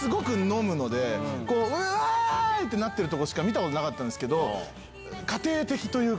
ウワイ！ってなってるとこしか見たことなかったんですけど。